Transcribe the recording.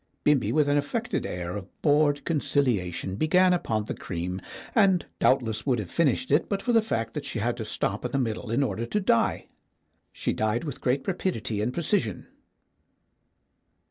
Bimbi with an affected air of bored conciliation began upon the cream, and doubtless would have finished it but for the fact that she had to stop in the middle in order to die. She died with great rapidity and precision.